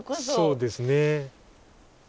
そうですね。